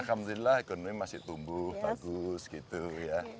alhamdulillah ekonomi masih tumbuh bagus gitu ya